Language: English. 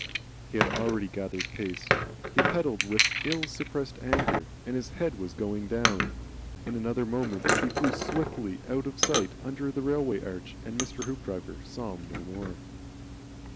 He had already gathered pace. He pedalled with ill suppressed anger, and his head was going down. In another moment he flew swiftly out of sight under the railway arch, and Mr. Hoopdriver saw him no more.